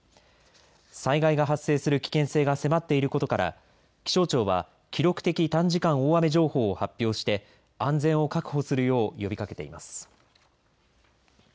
災害が発生する危険性が迫っていることから、気象庁は記録的短時間大雨情報を発表して安全を確保するよう呼びかけています。